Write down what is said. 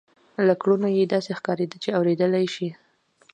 له کړنو یې داسې ښکارېده چې اورېدلای شي